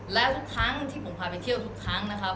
และทุกครั้งที่ผมพาไปเที่ยวทุกครั้งนะครับ